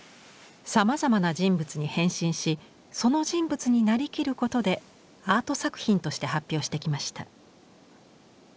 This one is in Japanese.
さまざまな人物に変身しその人物になりきることでアート作品として発表してきました。